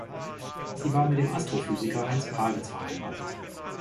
Sie war mit dem Astrophysiker Heinz Pagels verheiratet.